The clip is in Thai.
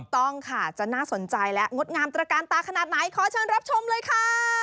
ต้องค่ะจะน่าสนใจและงดงามตระการตาขนาดไหนขอเชิญรับชมเลยค่ะ